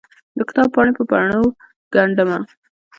دکتاب پاڼې په بڼو ګنډ مه